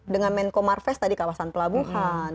dengan menko marves tadi kawasan pelabuhan